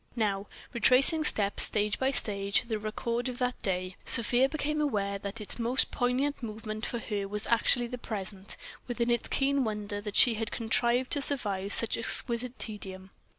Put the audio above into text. Now, retracing stage by stage the record of the day, Sofia became aware that its most poignant moment for her was actually the present, with its keen wonder that she had contrived to survive such exquisite tedium.